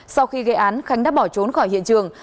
sau khi gây án khánh đã bỏ trốn khỏi hiện trường